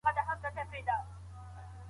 ميرمن څنګه د خاوند د پرمختګ ذريعه ګرځي؟